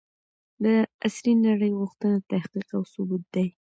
د عصري نړۍ غوښتنه تحقيق او ثبوت دی.